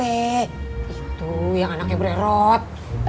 itu yang anaknya beredot